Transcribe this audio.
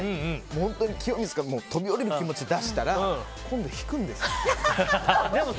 本当に清水から飛び降りる気持ちで出したら今度、引くんですよ。